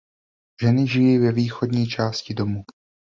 Ženy žijí ve východní části domu.